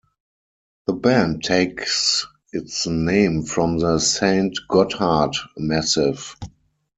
The band takes its name from the Saint-Gotthard Massif.